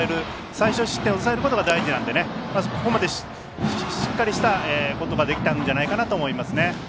最少失点で抑えることが大事なので、ここまでしっかりしたことができたんじゃないかなと思います。